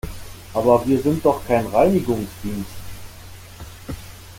Aber wir sind doch kein Reinigungsdienst!